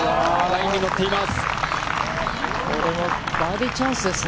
ラインに乗っています。